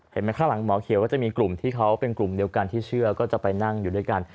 ข้างหลังหมอเขียวก็จะมีกลุ่มที่เขาเป็นกลุ่มเดียวกันที่เชื่อก็จะไปนั่งอยู่ด้วยกัน